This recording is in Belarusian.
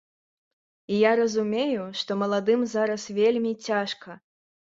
І я разумею, што маладым зараз вельмі цяжка.